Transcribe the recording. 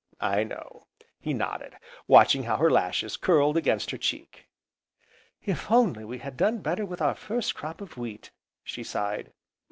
"I know," he nodded, watching how her lashes curled against her cheek. "If only we had done better with our first crop of wheat!" she sighed.